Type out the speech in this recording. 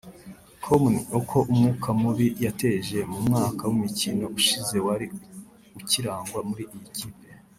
com ni uko umwuka mubi yateje mu mwaka w’imikino ushize wari ukirangwa muri iyi kipe